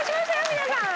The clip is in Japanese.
皆さん。